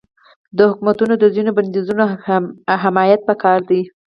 د حکومتونو د ځینو بندیزونو حمایت پکار دی.